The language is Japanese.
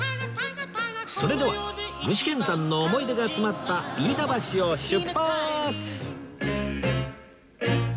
それでは具志堅さんの思い出が詰まった飯田橋を出発！